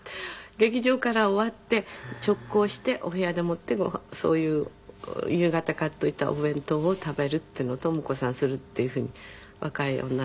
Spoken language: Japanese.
劇場から終わって直行してお部屋でもってごはんそういう夕方買っといたお弁当を食べるっていうのを「朋子さんする」っていう風に若い女の子たちが。